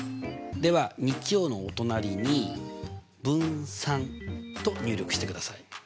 では日曜のお隣に「分散」と入力してください。